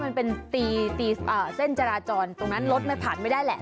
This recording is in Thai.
มันเป็นตีเส้นจราจรตรงนั้นรถมันผ่านไม่ได้แหละ